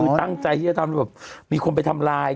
คือตั้งใจที่จะทำแบบมีคนไปทำลาย